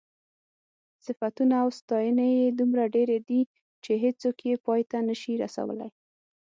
صفتونه او ستاینې یې دومره ډېرې دي چې هېڅوک یې پای ته نشي رسولی.